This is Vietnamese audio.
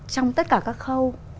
trong tất cả các khâu